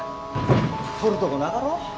撮るとこなかろ。